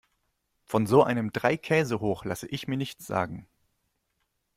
Von so einem Dreikäsehoch lasse ich mir nichts sagen.